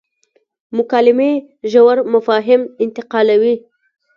مکالمې ژور مفاهیم انتقالوي.